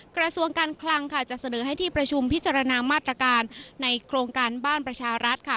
กระทรวงการคลังค่ะจะเสนอให้ที่ประชุมพิจารณามาตรการในโครงการบ้านประชารัฐค่ะ